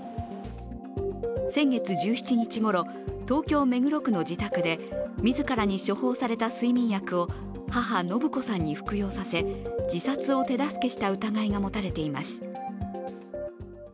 先月１７日ごろ、東京・目黒区の自宅で自らに処方された睡眠薬を母・延子さんに服用させ、自殺を手助けした疑いが持たれています。